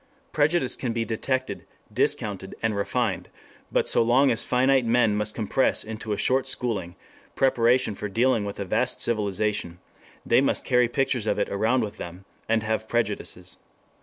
Prejudice can be detected, discounted, and refined, but so long as finite men must compress into a short schooling preparation for dealing with a vast civilization, they must carry pictures of it around with them, and have prejudices.